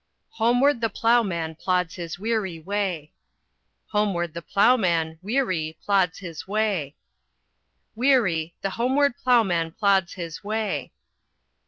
Homeward the ploughman plods his weary way. Homeward the ploughman, weary, plods his way. Weary, the homeward ploughman plods his way.